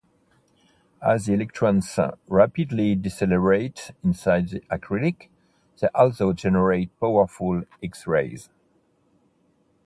As the electrons rapidly decelerate inside the acrylic, they also generate powerful X-rays.